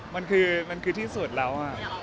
มันคือมันคือที่สุดแล้ว